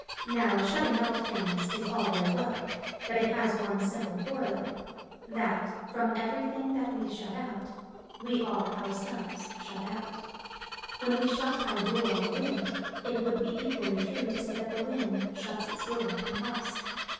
Now shutting out things is all A Defence of Humility very well, but it has one simple corollary — that from everything that we shut out we are ourselves shut out. When we shut our door on the wind, it would be equally true to say that the wind shuts its door on us.